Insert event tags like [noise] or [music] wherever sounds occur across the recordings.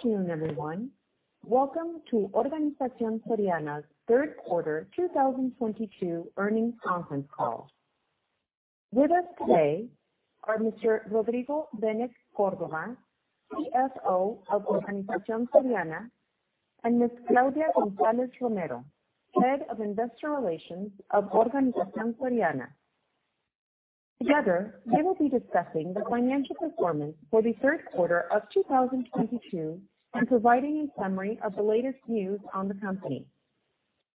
Good afternoon, everyone. Welcome to Organización Soriana's Third Quarter 2022 Earnings Conference Call. With us today are Mr. Rodrigo Benet Córdova, CFO of Organización Soriana, and Ms. Claudia González Romero, Head of Investor Relations of Organización Soriana. Together, they will be discussing the financial performance for the 3rd quarter of 2022 and providing a summary of the latest news on the company.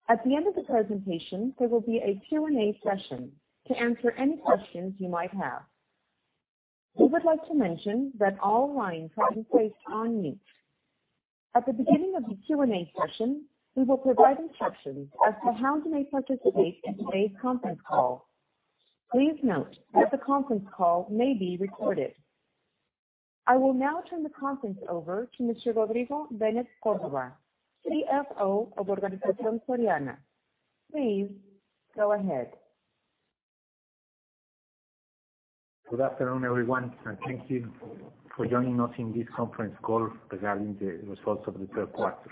At the end of the presentation, there will be a Q&A session to answer any questions you might have. We would like to mention that all lines have been placed on mute. At the beginning of the Q&A session, we will provide instructions as to how you may participate in today's conference call. Please note that the conference call may be recorded. I will now turn the conference over to Mr. Rodrigo Benet Córdova, CFO of Organización Soriana. Please go ahead. Good afternoon, everyone. Thank you for joining us in this conference call regarding the results of the 3rd quarter.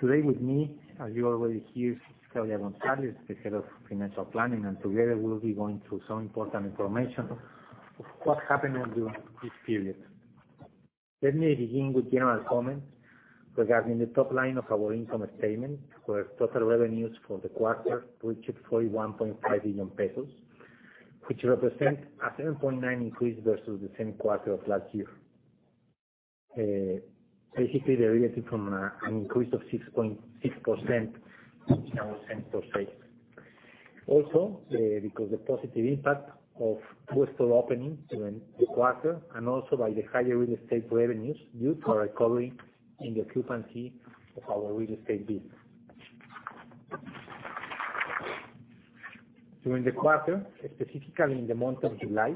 Today with me, as you already hear, Claudia González, Head of Investor Relations, and together we will be going through some important information of what happened during this period. Let me begin with general comments regarding the top line of our income statement, where total revenues for the quarter reached 41.5 billion pesos, which represent a 7.9% increase versus the same quarter of last year. Basically resulting from an increase of 6.6% same-store sales. Also, because the positive impact of two store openings during the quarter and also by the higher real estate revenues due to a recovery in the occupancy of our real estate business. During the quarter, specifically in the month of July,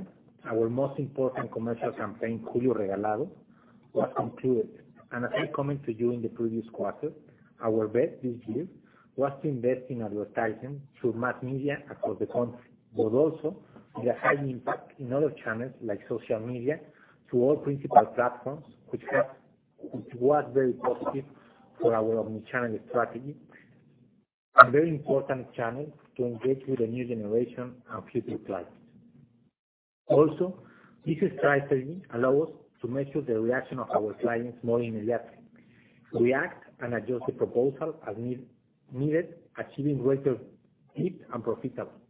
our most important commercial campaign, Julio Regalado, was concluded. As we commented to you in the previous quarter, our bet this year was to invest in advertising through mass media across the country, but also with a high impact in other channels like social media through all principal platforms, which was very positive for our omni-channel strategy. A very important channel to engage with the new generation and future clients. Also, this strategy allow us to measure the reaction of our clients more immediately, react and adjust the proposal as needed, achieving greater reach and profitability,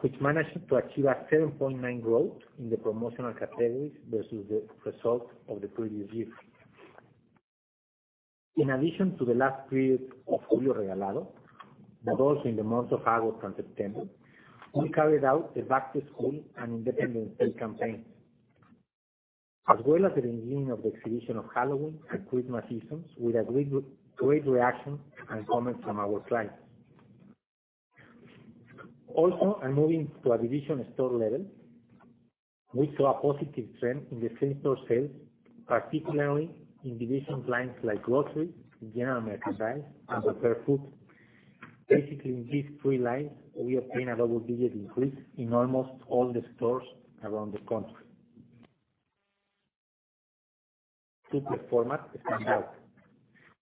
which managed to achieve a 7.9% growth in the promotional categories versus the result of the previous year. In addition to the last period of Julio Regalado, but also in the months of August and September, we carried out the Back to School and Independence Day campaigns. As well as the beginning of the exhibition of Halloween and Christmas seasons, with a great reaction and comments from our clients. Also, moving to a division store level, we saw a positive trend in the same-store sales, particularly in division lines like grocery, general merchandise, and prepared food. Basically, in these three lines, we obtain a double-digit increase in almost all the stores around the country. Superformat stands out,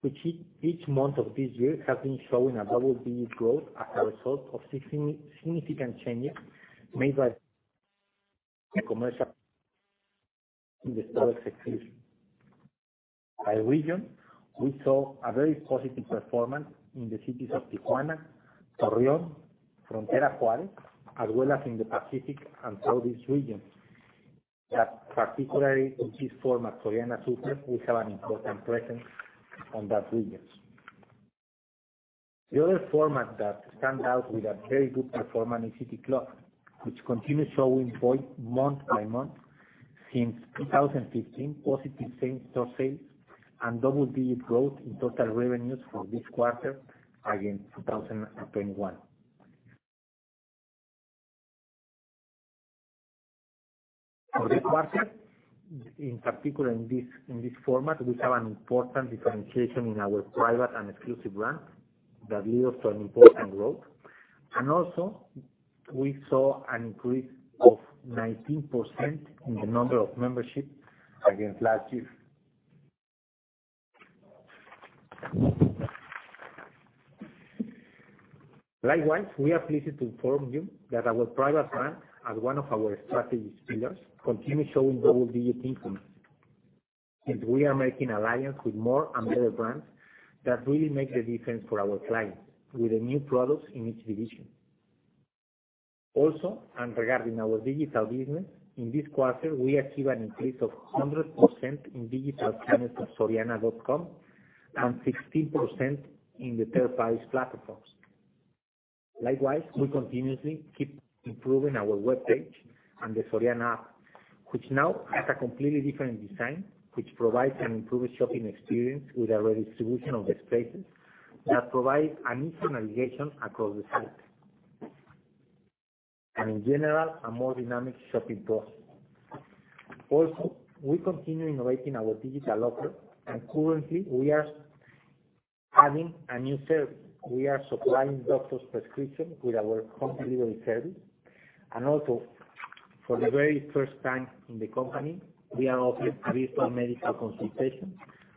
which each month of this year has been showing a double-digit growth as a result of significant changes made by the commercial in the store execution. By region, we saw a very positive performance in the cities of Tijuana, Torreón, Frontera, Juárez, as well as in the Pacific and Northeast regions, that particularly in this format, Soriana Súper, we have an important presence in those regions. The other format that stands out with a very good performance in City Club, which continues showing growth month by month since 2015, positive same-store sales and double-digit growth in total revenues for this quarter against 2021. For this quarter, in particular in this format, we have an important differentiation in our private and exclusive brand that lead us to an important growth. We saw an increase of 19% in the number of membership against last year. Likewise, we are pleased to inform you that our private brand, as one of our strategy pillars, continue showing double-digit income. Since we are making alliance with more and better brands that really make the difference for our clients with the new products in each division. Regarding our digital business, in this quarter, we achieved an increase of 100% in digital channels of soriana.com and 16% in the 3rd party's platforms. Likewise, we continuously keep improving our webpage and the Soriana App, which now has a completely different design, which provides an improved shopping experience with a redistribution of the spaces that provide an instant navigation across the site. In general, a more dynamic shopping process. We continue innovating our digital offer, and currently we are adding a new service, we are supplying doctor's prescription with our home delivery service. Also, for the very 1st time in the company, we are offering virtual medical consultations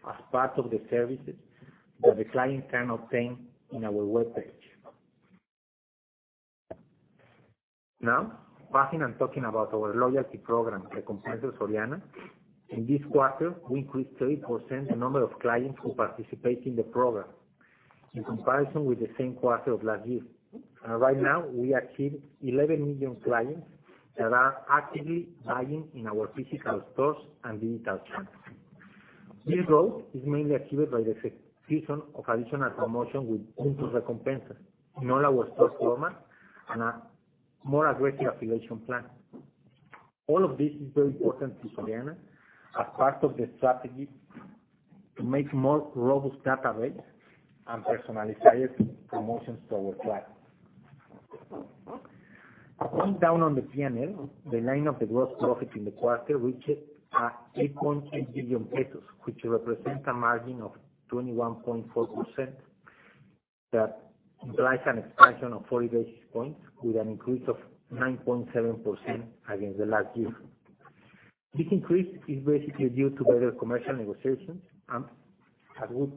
as part of the services that the client can obtain in our webpage. Now, passing and talking about our loyalty program, Recompensas Soriana. In this quarter, we increased 3% the number of clients who participate in the program in comparison with the same quarter of last year. Right now, we achieved 11 million clients that are actively buying in our physical stores and digital channels. This growth is mainly achieved by the execution of additional promotion with Recompensas in all our store format and a more aggressive affiliation plan. All of this is very important to Soriana as part of the strategy to make more robust database and personalized promotions to our clients. Going down on the P&L, the line of the gross profit in the quarter reached 8.8 billion pesos, which represent a margin of 21.4% that implies an expansion of 40 basis points with an increase of 9.7% against the last year. This increase is basically due to better commercial negotiations and, as we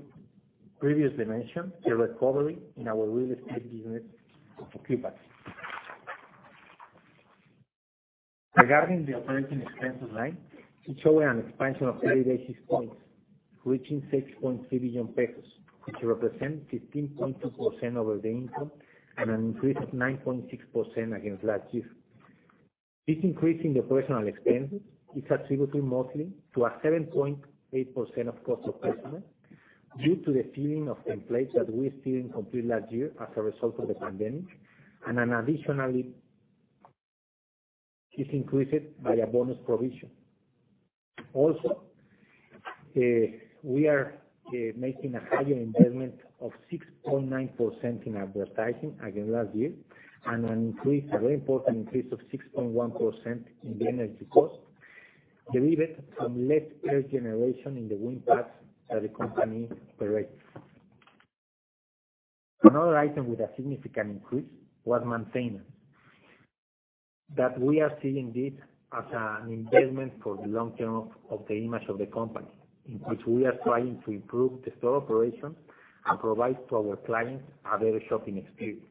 previously mentioned, the recovery in our real estate unit. Regarding the operating expenses line, it showed an expansion of 30 basis points, reaching 6.3 billion pesos, which represent 15.2% over the income and an increase of 9.6% against last year. This increase in the personnel expenses is attributable mostly to a 7.8% of cost of personnel due to the filling of templates that were still incomplete last year as a result of the pandemic, and then additionally is increased by a bonus provision. Also, we are making a higher investment of 6.9% in advertising against last year and an increase, a very important increase, of 6.1% in the energy cost derived from less power generation in the wind parks that the company operates. Another item with a significant increase was maintenance that we are seeing this as an investment for the long term of the image of the company, in which we are trying to improve the store operation and provide to our clients a better shopping experience.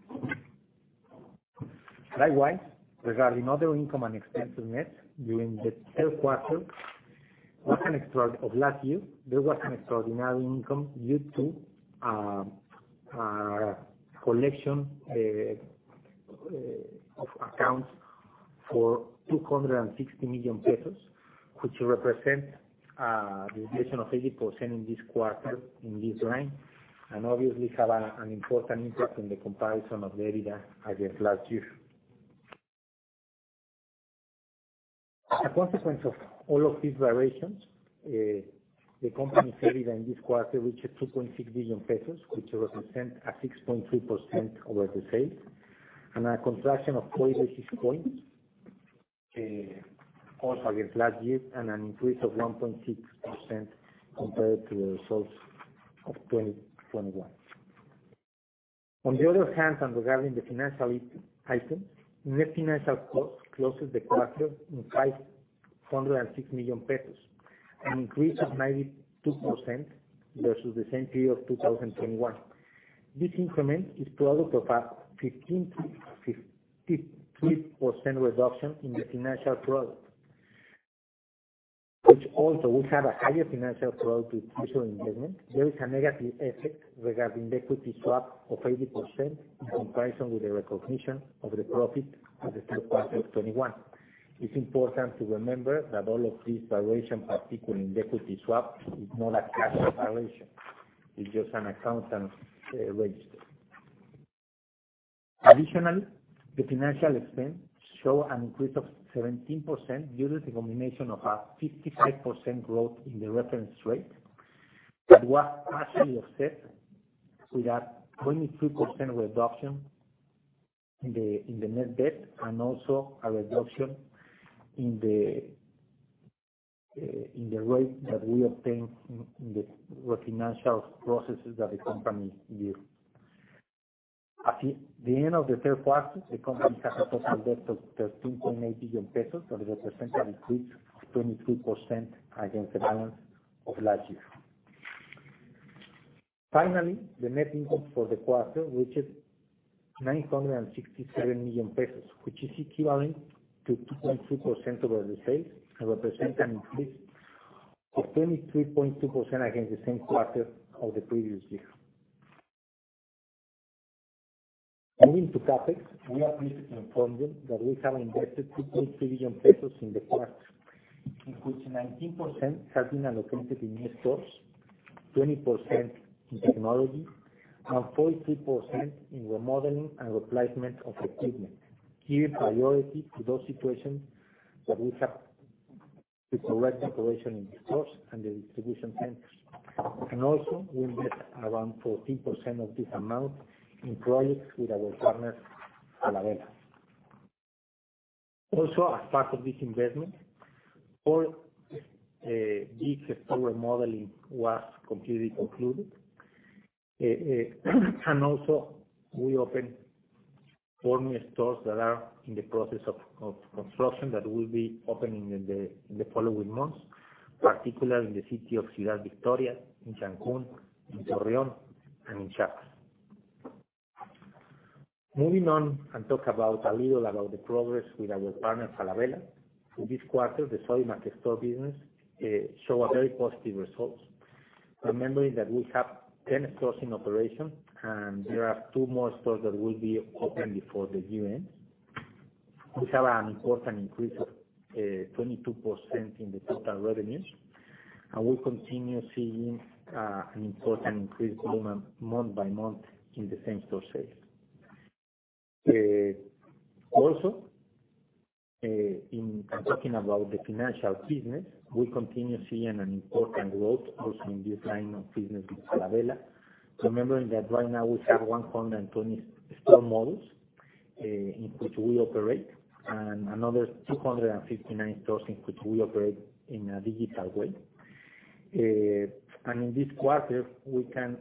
Likewise, regarding other income and expense net during the 3rd quarter of last year, there was an extraordinary income due to collection of accounts for 260 million pesos, which represent the increase of 80% in this quarter in this line, and obviously have an important impact in the comparison of the EBITDA against last year. A consequence of all of these variations, the company's EBITDA in this quarter reached 2.6 billion pesos, which represent a 6.3% over the sales and a contraction of four basis points, also against last year, and an increase of 1.6% compared to the results of 2021. On the other hand, regarding the financial items, net financial costs closes the quarter in MXN 506 million, an increase of 92% versus the same period of 2021. This increment is product of a 15.3% reduction in the financial product, which also we have a higher financial product with usual engagement. There is a negative effect regarding the equity swap of 80% in comparison with the recognition of the profit at the 3rd quarter of 2021. It's important to remember that all of these variations, particularly in the equity swap, is not a cash variation. It's just an accounting register. Additionally, the financial expense shows an increase of 17% due to the combination of a 55% growth in the reference rate that was partially offset with a 23% reduction in the net debt and also a reduction in the rate that we obtained in the financial processes that the company did. At the end of the 3rd quarter, the company has a total debt of MXN 13.8 billion that represents a decrease of 23% against the balance of last year. Finally, the net income for the quarter reached 967 million pesos, which is equivalent to 2.2% over the sales and represents an increase of 23.2% against the same quarter of the previous year. Moving to CapEx, we are pleased to inform you that we have invested MXN 2.3 billion in the quarter, in which 19% has been allocated in new stores, 20% in technology, and 40% in remodeling and replacement of equipment, giving priority to those situations that we have to correct operation in the stores and the distribution centers. Also we invest around 14% of this amount in projects with our partner, Falabella. Also as part of this investment, all these store remodeling was completely concluded. Also we opened four new stores that are in the process of construction that will be opening in the following months, particularly in the city of Ciudad Victoria, in Cancún, in Torreón and in Chiapas. Moving on and talk about a little the progress with our partner, Falabella. In this quarter, the Soriana store business shows very positive results. Remembering that we have 10 stores in operation, and there are two more stores that will be open before the year ends. We have an important increase of 22% in the total revenues, and we continue seeing an important increase in volume month by month in the same-store sales. Also, in talking about the financial business, we continue seeing an important growth also in this line of business with Falabella. Remembering that right now we have 120 store models in which we operate, and another 259 stores in which we operate in a digital way. In this quarter, we had an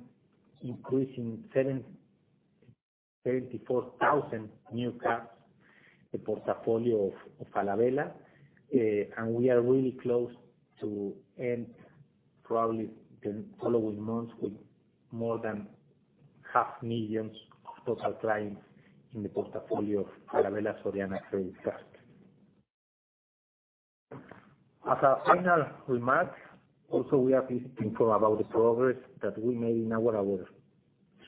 increase of 34,000 new cards in the portfolio of Falabella. We are really close to end probably the following months with more than half a million total clients in the portfolio of Falabella Soriana credit cards. As a final remark, also we are pleased to inform about the progress that we made in our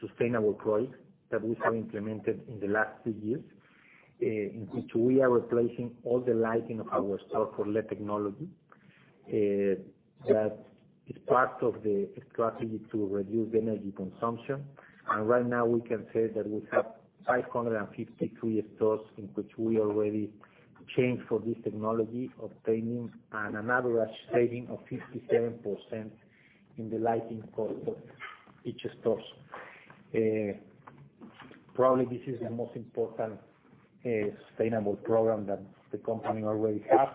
sustainable projects that we have implemented in the last two years. In which we are replacing all the lighting of our store for LED technology. That is part of the strategy to reduce the energy consumption. Right now we can say that we have 553 stores in which we already changed for this technology, obtaining an average saving of 57% in the lighting cost of each stores. Probably this is the most important sustainable program that the company already have,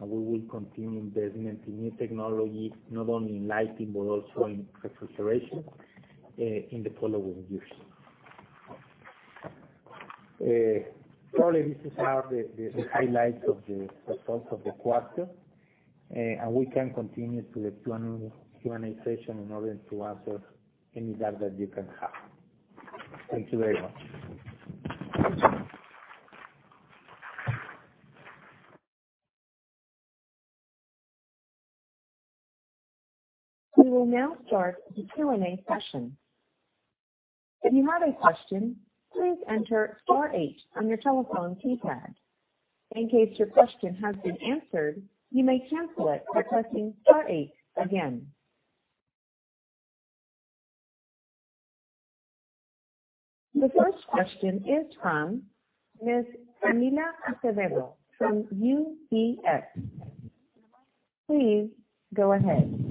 and we will continue investing into new technology, not only in lighting but also in refrigeration in the following years. Probably this is all the highlights of the results of the quarter. We can continue to the Q&A session in order to answer any doubt that you can have. Thank you very much. We will now start the Q&A session. If you have a question, please enter star eight on your telephone keypad. In case your question has been answered, you may cancel it by pressing star eight again. The 1st question is from Miss Camila Azevedo from UBS. Please go ahead.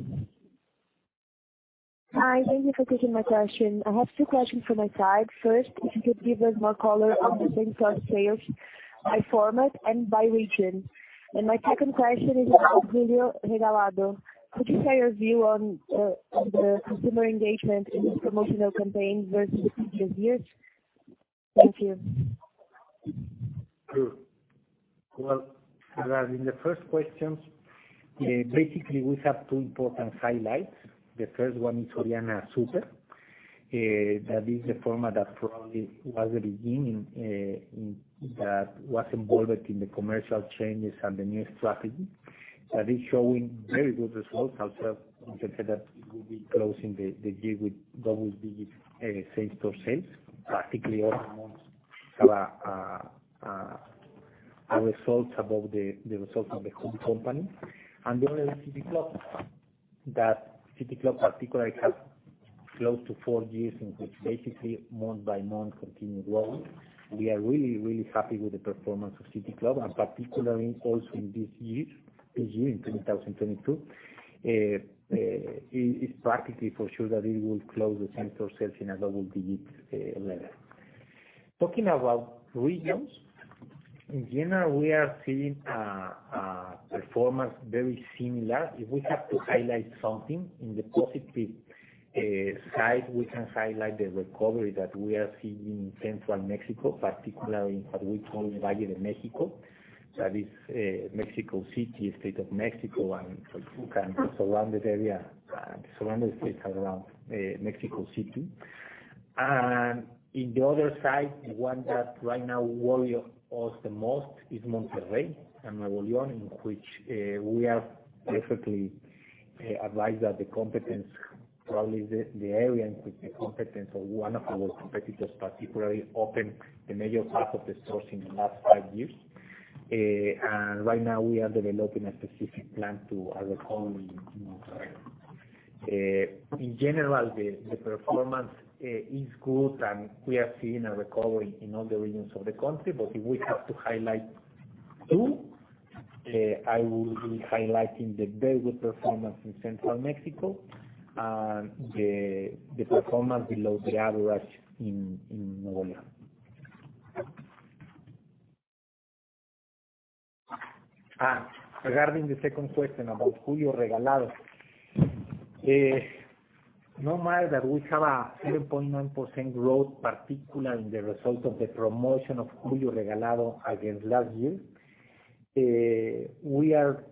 Hi. Thank you for taking my question. I have two questions for my side. First, if you could give us more color on the same-store sales by format and by region. My 2nd question is on Julio Regalado. Could you share your view on the customer engagement in his promotional campaigns versus the previous years? Thank you. Sure. Well, regarding the 1st questions, basically we have two important highlights. The 1st one is Soriana Súper, that is the format that probably was the beginning, that was involved in the commercial changes and the new strategy, that is showing very good results. Also, we said that we will be closing the year with double-digit same-store sales. Practically all months have results above the results of the whole company. The other is City Club. That City Club particularly has close to four years in which basically month by month continued growth. We are really happy with the performance of City Club. Particularly also in this year in 2022, it is practically for sure that it will close the same-store sales in a double-digit level. Talking about regions, in general, we are seeing performance very similar. If we have to highlight something in the positive side, we can highlight the recovery that we are seeing in central Mexico, particularly what we call Valle de México. That is, Mexico City, State of Mexico and Tlalpan, the surrounding states around Mexico City. In the other side, the one that right now worry us the most is Monterrey and Nuevo León, in which we have perfectly observed that the competition, probably the area in which the competition of one of our competitors particularly opened the major part of the stores in the last five years. Right now we are developing a specific plan to our recovery in Monterrey. In general, the performance is good, and we are seeing a recovery in all the regions of the country. If we have to highlight two, I will be highlighting the very good performance in central Mexico and the performance below the average in Nuevo León. Regarding the 2nd question about Julio Regalado, no matter that we have a 7.9% growth, particularly as a result of the promotion of Julio Regalado against last year, we are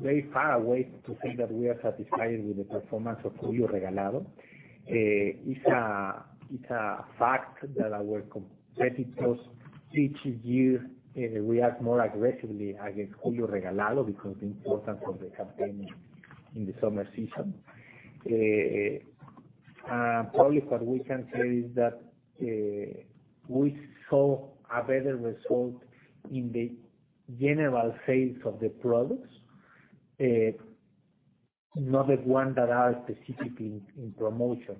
very far from saying that we are satisfied with the performance of Julio Regalado. It's a fact that our competitors each year react more aggressively against Julio Regalado because the importance of the campaign in the summer season. Probably what we can say is that we saw a better result in the general sales of the products, not the ones that are specifically in promotion.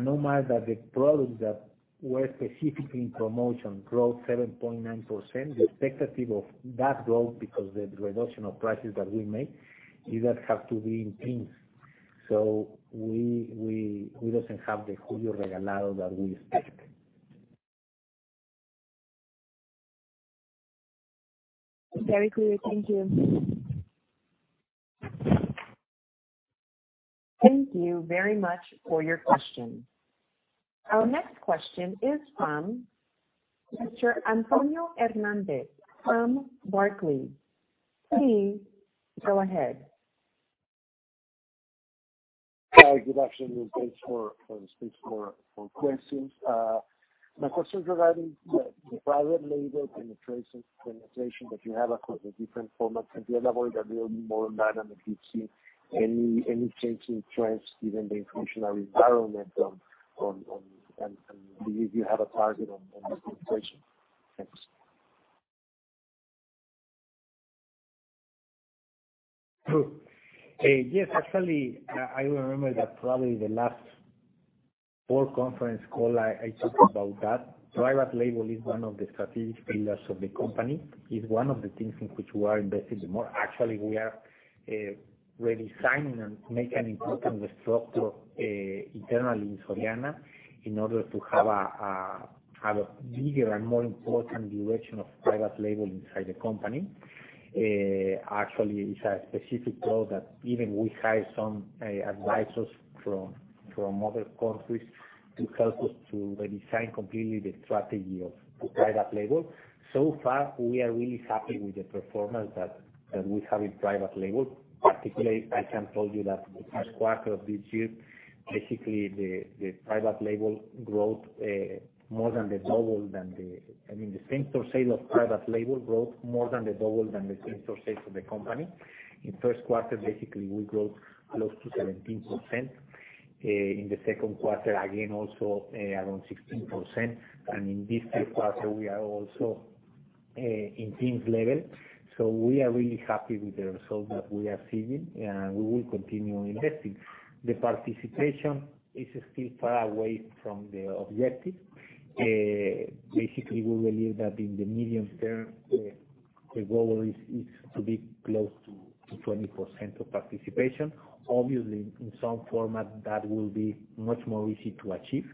No matter that the products that were specifically in promotion grew 7.9%, the expected level of that growth because the reduction of prices that we made, it does have to be in line. We didn't have the Julio Regalado that we expected. Very clear. Thank you. Thank you very much for your question. Our next question is from Mr. Antonio Hernández from Barclays. Please go ahead. Hi, good afternoon, thanks for the space for questions. My question regarding the private label penetration that you have across the different formats. The other way that will be more dynamic, if you've seen any changing trends given the inflationary environment, and do you have a target on this penetration? Thanks. Sure. Yes, actually, I remember that probably the last board conference call I talked about that. Private label is one of the strategic pillars of the company, is one of the things in which we are investing the more. Actually, we are redesigning and making important the structure internally in Soriana in order to have a bigger and more important direction of private label inside the company. Actually, it's a specific goal that even we hire some advisors from other countries to help us to redesign completely the strategy of private label. So far, we are really happy with the performance that we have in private label. Particularly, I can tell you that the 1st quarter of this year, basically the private label growth more than the double than the... I mean, the same-store sales of private label growth more than the double than the same-store sales of the company. In 1st quarter, basically, we grew close to 17%. In the 2nd quarter, again, also around 16%. In this 3rd quarter, we are also in teens level. We are really happy with the result that we are seeing, and we will continue investing. The participation is still far away from the objective. Basically, we believe that in the medium term, the goal is to be close to 20% of participation. Obviously, in some format that will be much more easy to achieve.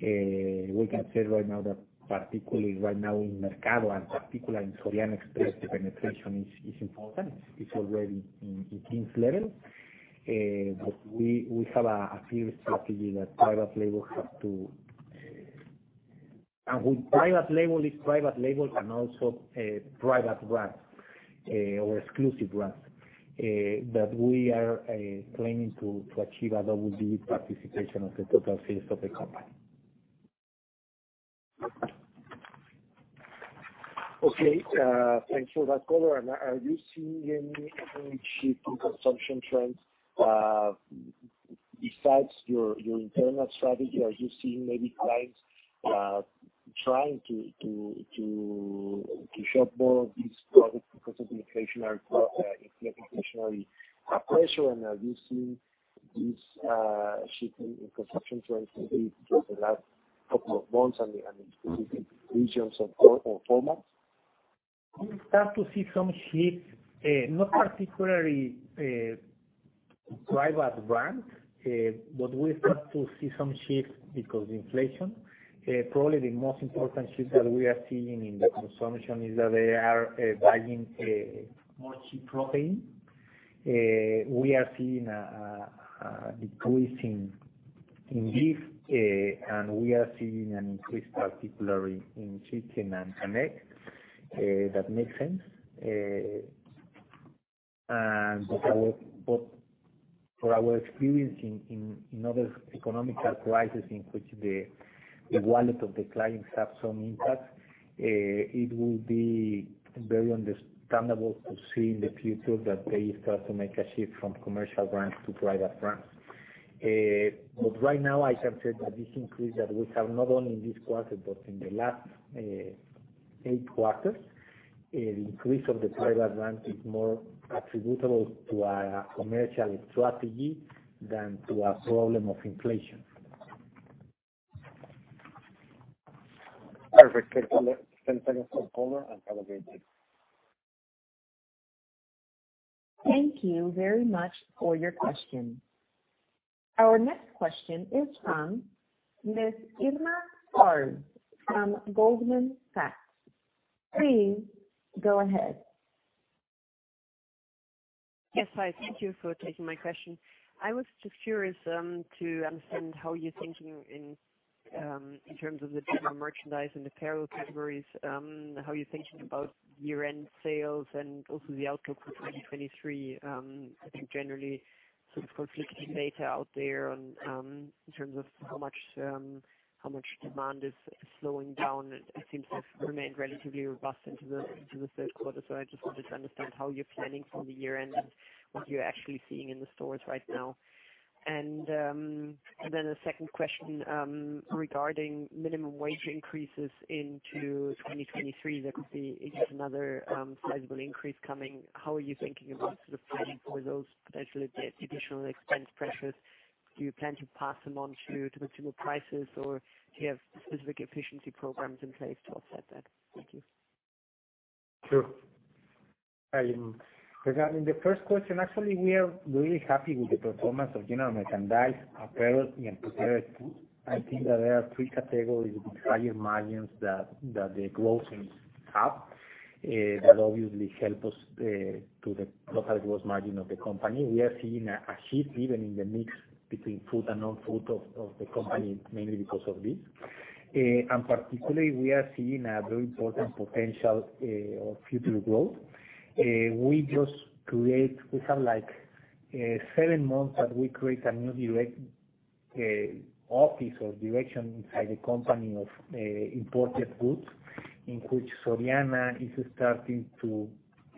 We can say right now that particularly right now in Soriana Mercado and particularly in Soriana Express, the penetration is important. It's already in teens level. We have a clear strategy that private label have to. With private label is private label and also private brands or exclusive brands that we are planning to achieve a double-digit participation of the total sales of the company. Okay. Thank you for that call. Are you seeing any shift in consumption trends, besides your internal strategy? Are you seeing maybe clients trying to shop more of these products because of the inflationary pressure? Are you seeing these shifting in consumption trends maybe just the last couple of months and in specific regions or formats? We start to see some shifts, not particularly private brands, but we start to see some shifts because of inflation. Probably the most important shift that we are seeing in the consumption is that they are buying more cheap protein. We are seeing a decrease in beef, and we are seeing an increase particularly in chicken and eggs. That makes sense. For our experience in other economic crisis in which the wallet of the clients have some impact, it will be very understandable to see in the future that they start to make a shift from commercial brands to private brands. Right now, I can say that this increase that we have not only in this quarter but in the last eight quarters, increase of the private brand is more attributable to a commercial strategy than to a problem of inflation. Perfect. [audio distortion] Thank you very much for your question. Our next question is from Ms. Irma Sgarz from Goldman Sachs. Please go ahead. Yes, hi. Thank you for taking my question. I was just curious to understand how you're thinking in terms of the general merchandise and apparel categories, how you're thinking about year-end sales and also the outlook for 2023. I think generally sort of conflicting data out there on in terms of how much demand is slowing down. It seems to have remained relatively robust into the 3rd quarter. I just wanted to understand how you're planning for the year-end and what you're actually seeing in the stores right now. A 2nd question regarding minimum wage increases into 2023, there could be yet another sizable increase coming. How are you thinking about sort of planning for those potentially additional expense pressures? Do you plan to pass them on to consumer prices, or do you have specific efficiency programs in place to offset that? Thank you. Sure. Regarding the 1st question, actually, we are really happy with the performance of general merchandise, apparel and prepared food. I think that there are three categories with higher margins that the growth seems to have that obviously help us to the total gross margin of the company. We are seeing a shift even in the mix between food and non-food of the company, mainly because of this. Particularly, we are seeing a very important potential of future growth. We just create... We have, like, seven months that we create a new direct office or direction inside the company of imported goods, in which Soriana is starting to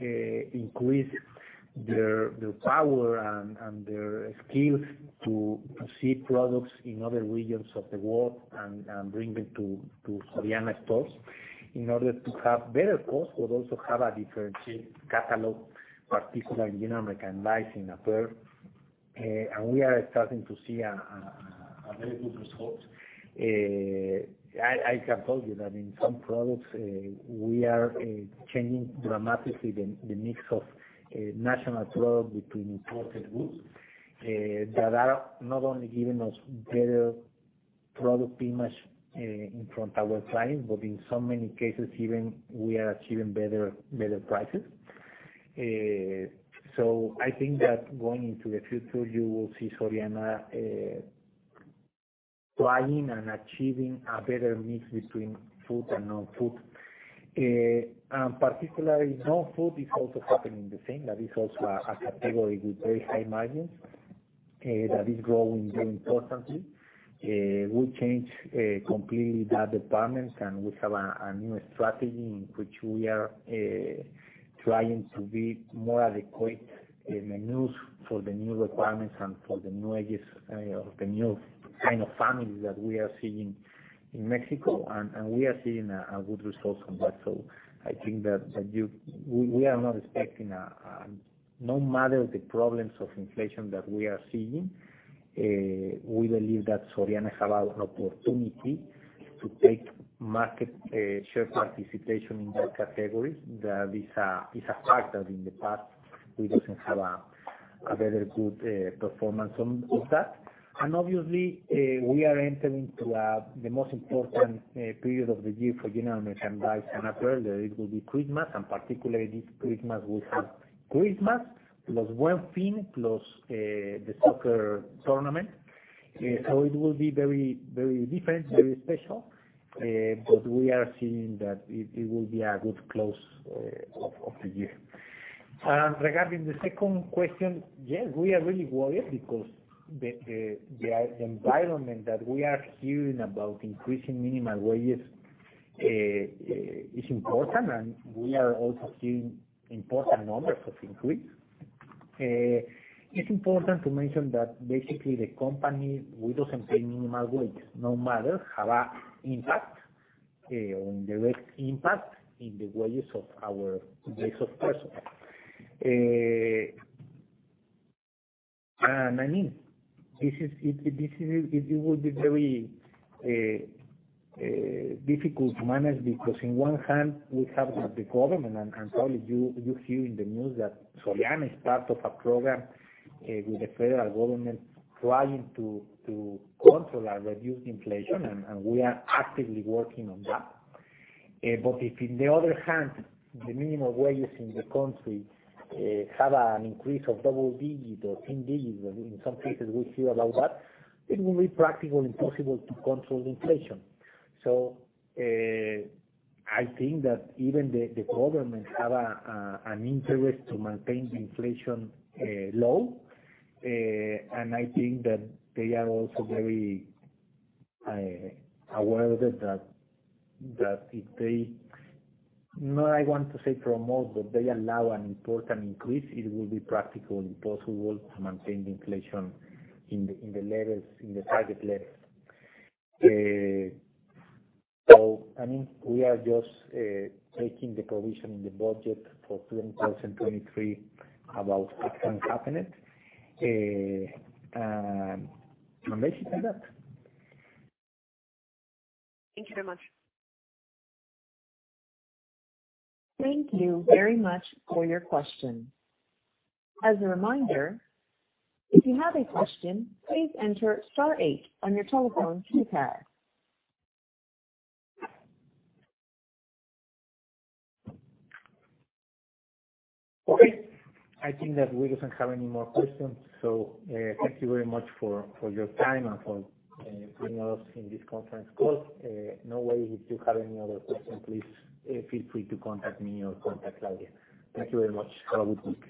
increase their power and their skills to see products in other regions of the world and bring them to Soriana stores in order to have better costs, but also have a differentiated catalog, particularly general merchandise and apparel. We are starting to see a very good result. I can tell you that in some products, we are changing dramatically the mix of national product between imported goods that are not only giving us better product image in front our clients, but in so many cases, even we are achieving better prices. I think that going into the future, you will see Soriana trying and achieving a better mix between food and non-food. Particularly non-food is also happening the same. That is also a category with very high margins that is growing very importantly. We change completely that department, and we have a new strategy in which we are trying to be more adequate to the needs for the new requirements and for the new ages of the new kind of families that we are seeing in Mexico. We are seeing a good result from that. I think that we are not expecting. No matter the problems of inflation that we are seeing, we believe that Soriana have an opportunity to take market share in that category. That is a fact that in the past we doesn't have a very good performance on that. Obviously, we are entering to the most important period of the year for general merchandise and apparel. It will be Christmas, and particularly this Christmas will have Christmas plus Buen Fin plus the soccer tournament. It will be very different, very special. We are seeing that it will be a good close of the year. Regarding the 2nd question, yes, we are really worried because the environment that we are hearing about increasing minimum wages is important, and we are also seeing important numbers of increase. It's important to mention that basically the company we don't pay minimum wage no matter have an impact or indirect impact on the wages of our base of personnel. I mean, this is it would be very difficult to manage because on one hand we have the government and probably you hear in the news that Soriana is part of a program with the federal government trying to control and reduce inflation and we are actively working on that. If on the other hand the minimum wages in the country have an increase of double-digit or teen-digit in some cases we hear about that it will be practically impossible to control inflation. I think that even the government have an interest to maintain the inflation low. I think that they are also very aware that if they allow an important increase, it will be practically impossible to maintain the inflation in the target levels. I mean, we are just taking the provision in the budget for 2023 about that it can happen, and I'm ready for that. Thank you very much. Thank you very much for your question. As a reminder, if you have a question, please enter star eight on your telephone keypad. Okay. I think that we doesn't have any more questions, so, thank you very much for your time and for joining us in this conference call. No worries, if you have any other question, please, feel free to contact me or contact Claudia. Thank you very much. Have a good week.